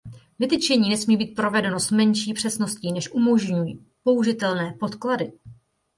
Vytyčení nesmí být provedeno s menší přesností než umožňují použitelné podklady.